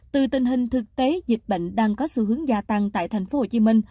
từ tình hình thực tế dịch bệnh đang có sự hướng gia tăng tại tp hcm